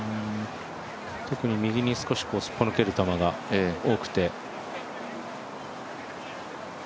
特に右に少しすっぽ抜ける球が多くて。